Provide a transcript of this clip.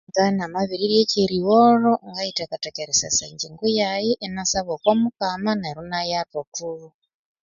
Ngabya na mabirirya kyerigholha ngayithekatheka erisesa engyingo yayi inasaba oku mukama neru inayathu othulhu